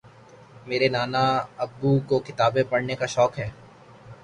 میرے نانا ابو کو کتابیں پڑھنے کا شوق ہے